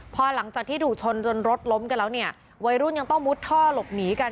พอหลังจากที่ถูกชนจนรถล้มกันแล้วเนี่ยวัยรุ่นยังต้องมุดท่อหลบหนีกัน